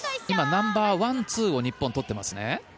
今ナンバーワン、ツーを日本が取ってますね。